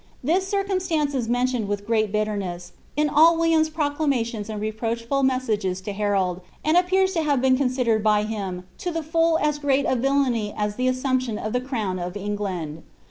This circumstance is mentioned with great bitterness in all William's pruclamationa and reproachful raesEages lo Harold, and appears lo ha»B been considered by him to the full as great a villany as the assuiuption of the crown <^ Einglsnd.